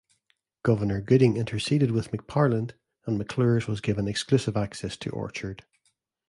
Governor Gooding interceded with McParland, and McClure's was given exclusive access to Orchard.